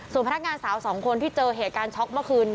พนักงานสาวสองคนที่เจอเหตุการณ์ช็อกเมื่อคืน